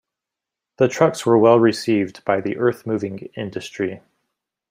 The trucks were well received by the earth moving industry.